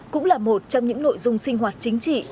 cũng là một trong những nội dung sinh hoạt chính trị